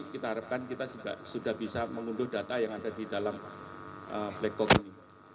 kita harapkan kita juga sudah bisa mengunduh data yang ada di dalam black box ini